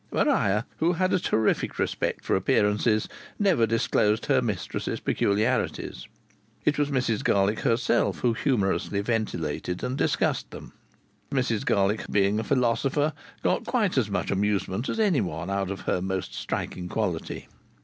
Maria, who had a terrific respect for appearances, never disclosed her mistress's peculiarities. It was Mrs Garlick herself who humorously ventilated and discussed them; Mrs Garlick, being a philosopher, got quite as much amusement as anyone out of her most striking quality.